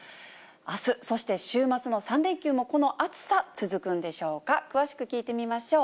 あす、そして週末の３連休も、この暑さ、続くんでしょうか、詳しく聞いてみましょう。